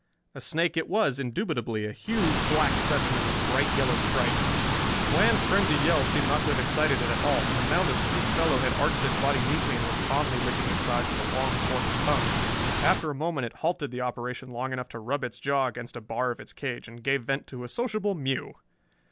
A snake it was, indubitably, a huge black specimen with bright yellow stripes. Bland's frenzied yell seemed not to have excited it at all, for now the sleek fellow had arched its body neatly and was calmly licking its sides with a long forked tongue. After a moment it halted the operation long enough to rub its jaw against a bar of its cage, and gave vent to a sociable mew!